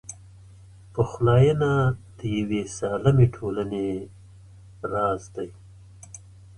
پخلاینه د یوې سالمې ټولنې راز دی.